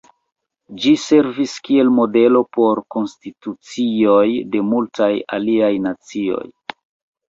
Ĝi servis kiel modelo por konstitucioj de multaj aliaj nacioj.